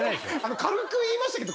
軽く言いましたけど